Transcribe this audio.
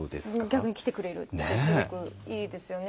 逆に来てくれるっていいですよね。